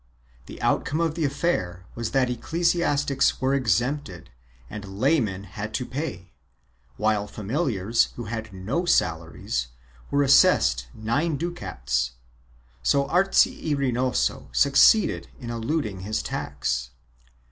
The outcome of the affair was that eccle siastics were exempted and laymen had to pay, while familiars, who had no salaries, were assessed nine ducats — so Arce y Rey noso succeeded in eluding his tax.